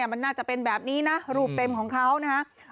มันน่าจะเป็นแบบนี้นะรูปเต็มของเขานะครับ